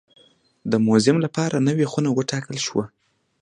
د موزیم لپاره نوې خونه وټاکل شوه.